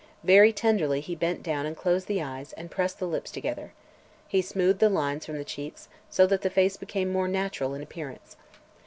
Very tenderly he bent down and closed the eyes and pressed the lips together. He smoothed the lines from the cheeks, so that the face became more natural in appearance.